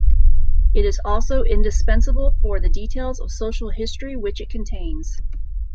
It is also indispensable for the details of social history which it contains.